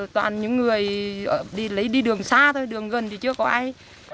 toàn những người đi đường xa thôi đường gần thì chưa có ai